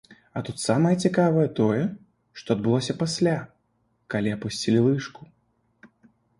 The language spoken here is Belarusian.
А тут самае цікавае тое, што адбылося пасля, калі апусцілі лыжку.